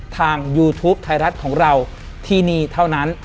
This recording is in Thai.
ยูทูปไทยรัฐของเราที่นี่เท่านั้น